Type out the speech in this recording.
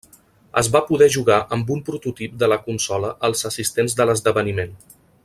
Es va poder jugar amb un prototip de la consola als assistents de l'esdeveniment.